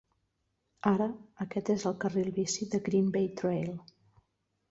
Ara, aquest és el carril bici de Green Bay Trail.